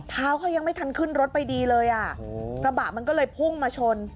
เท้าเขายังไม่ทันขึ้นรถไปดีเลยอ่ะกระบะมันก็เลยพุ่งมาชน